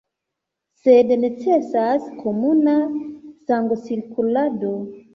Sed necesas komuna sangocirkulado.